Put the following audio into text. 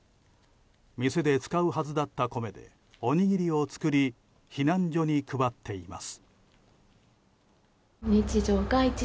店で使うはずだった米でおにぎりを作り避難所に配っています。